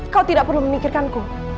kau tidak perlu memikirkanku